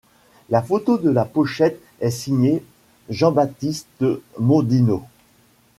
La photo de la pochette est signée Jean-Baptiste Mondino.